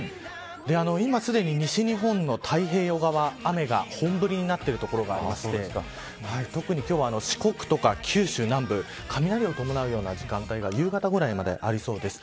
今すでに西日本の太平洋側雨が本降りになっている所がありまして特に今日は四国とか九州南部雷を伴うような時間帯が夕方ぐらいまでありそうです。